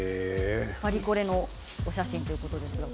パリコレのお写真ということで。